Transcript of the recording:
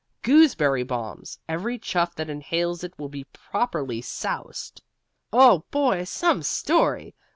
"Gooseberry bombs. Every chuff that inhales it will be properly soused. Oh, boy, some story!